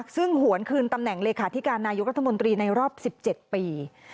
ซึ่งหวนคืนตำแหน่งเลขาธิการนายกรัฐมนตรีในรอบ๑๗ปี